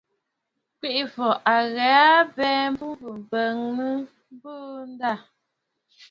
Kwèʼefɔ̀ à ghɛ̀ɛ a abɛɛ bɨ̀bùʼù benə̀ a ndâ.